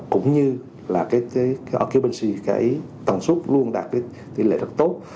cũng như là cái occupancy cái tầng suất luôn đạt tỷ lệ rất tốt